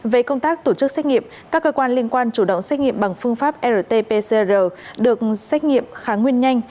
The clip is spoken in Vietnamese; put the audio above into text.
về công tác tổ chức xét nghiệm các cơ quan liên quan chủ động xét nghiệm bằng phương pháp rt pcr được xét nghiệm kháng nguyên nhanh